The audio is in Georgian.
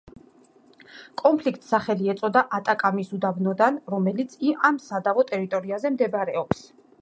კონფლიქტს სახელი ეწოდა ატაკამის უდაბნოდან, რომელიც ამ სადავო ტერიტორიაზე მდებარეობს.